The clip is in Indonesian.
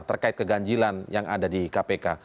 terkait keganjilan yang ada di kpk